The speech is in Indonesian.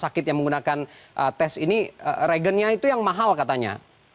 rumah sakit yang menggunakan tes ini reagennya itu yang mahal katanya